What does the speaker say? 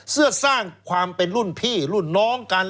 เพื่อสร้างความเป็นรุ่นพี่รุ่นน้องกัน